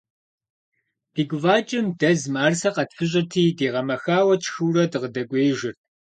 Ди гуфӏакӏэм дэз мыӏэрысэ къэтфыщӏырти, дигъэмэхауэ тшхыуэрэ, дыкъыдэкӏуеижырт.